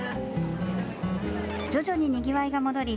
徐々ににぎわいが戻り